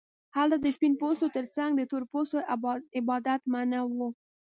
هلته د سپین پوستو ترڅنګ د تور پوستو عبادت منع و.